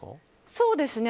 そうですね。